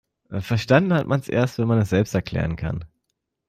Verstanden hat man es erst, wenn man es selbst erklären kann.